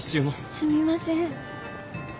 すみません。